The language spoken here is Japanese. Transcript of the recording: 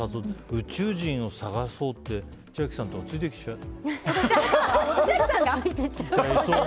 宇宙人を探そうって千秋さんとかついていっちゃいそう。